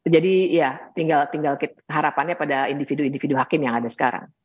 jadi ya tinggal harapannya pada individu individu hakim yang ada sekarang